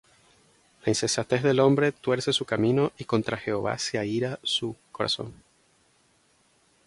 La insensatez del hombre tuerce su camino; Y contra Jehová se aira su corazón.